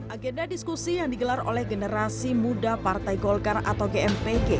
agenda diskusi yang digelar oleh generasi muda partai golkar atau gmpg